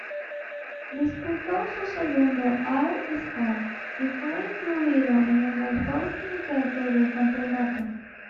Disputó su segundo All-Star, y fue incluido en el mejor quinteto del campeonato.